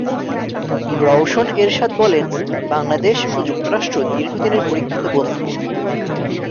রওশন এরশাদ বলেন, বাংলাদেশ ও যুক্তরাষ্ট্র দীর্ঘদিনের পরীক্ষিত বন্ধু।